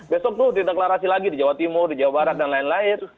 besok tuh dideklarasi lagi di jawa timur di jawa barat dan lain lain